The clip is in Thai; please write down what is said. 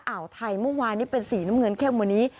เมื่อเช้าไทยเมื่อวานนี้เป็นสีน้ำเงินแค่วันนี้